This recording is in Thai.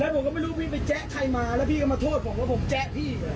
ผมก็ไม่รู้พี่ไปแจ๊ใครมาแล้วพี่ก็มาโทษผมแล้วผมแจ๊ะพี่